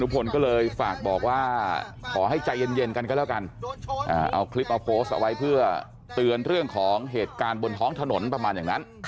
พอโดนชนเสร็จก็ไปเลย